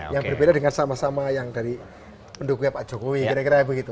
yang berbeda dengan sama sama yang dari pendukungnya pak jokowi kira kira begitu